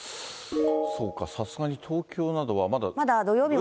そうか、さすがに東京などは。